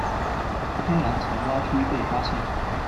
天蓝丛蛙区被发现。